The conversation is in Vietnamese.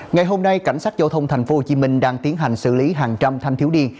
ngày hôm nay cảnh sát giao thông tp hcm đang tiến hành xử lý hàng trăm thanh thiếu niên